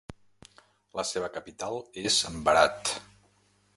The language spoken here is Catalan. La seva capital és Berat.